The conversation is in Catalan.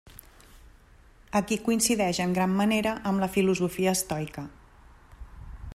Aquí coincideix en gran manera amb la filosofia estoica.